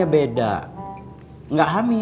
pernah enam kali